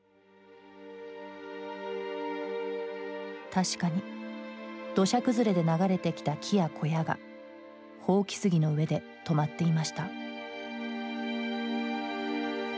確かに土砂崩れで流れてきた木や小屋が箒杉の上で止まっていました。